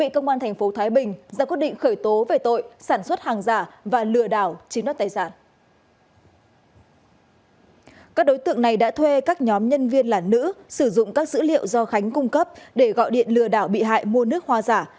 các đối tượng này đã thuê các nhóm nhân viên là nữ sử dụng các dữ liệu do khánh cung cấp để gọi điện lừa đảo bị hại mua nước hoa giả